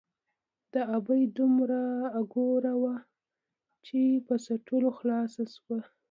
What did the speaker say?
ـ د ابۍ دومره اګوره وه ،چې په څټلو خلاصه شوه.